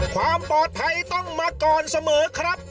ความปลอดภัยต้องมาก่อนเสมอครับ